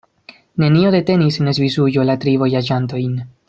Nenio detenis en Svisujo la tri vojaĝantojn.